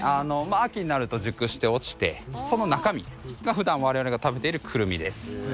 秋になると熟して落ちてその中身が普段我々が食べているクルミです。